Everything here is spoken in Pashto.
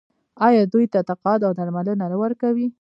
آیا دوی ته تقاعد او درملنه نه ورکوي؟